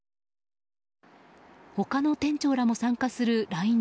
他の店長らも参加するＬＩＮＥ